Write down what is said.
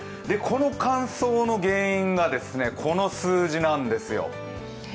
この乾燥の原因がですね、この数字なんですよ。